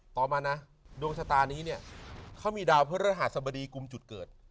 ต่อมานะดวงชะตานี้เนี่ยเขามีดาวพระฤหัสบดีกลุ่มจุดเกิด